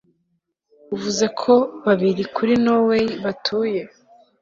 uvuze ko babiri kuri conway batuye